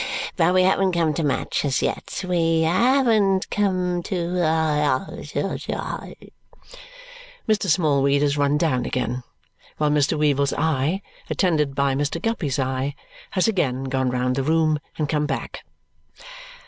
But we haven't come to much as yet; we haven't come to hah!" Mr. Smallweed has run down again, while Mr. Weevle's eye, attended by Mr. Guppy's eye, has again gone round the room and come back.